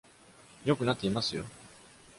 よくなっていますよ。